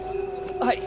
はい。